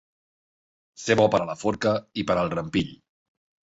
Ser bo per a la forca i per al rampill.